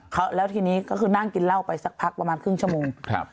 เขาแล้วทีนี้ก็คือนั่งกินเหล้าไปสักพักประมาณครึ่งชั่วโมงครับ